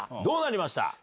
どうなりました？